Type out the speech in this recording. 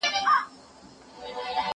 یوه ږغ کړه چي ګوربت ظالم مرغه دی